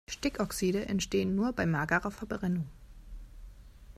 Stickoxide entstehen nur bei magerer Verbrennung.